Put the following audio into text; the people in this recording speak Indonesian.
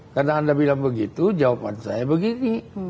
karena anda bilang begitu jawaban saya begini